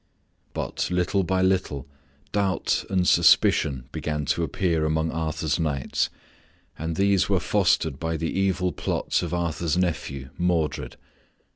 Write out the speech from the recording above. But little by little doubt and suspicion began to appear among Arthur's knights, and these were fostered by the evil plots of Arthur's nephew, Modred.